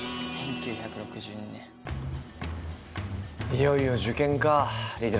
いよいよ受験か利寺君。